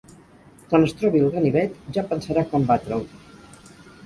Quan es trobi el ganivet, ja pensarà com batre'l.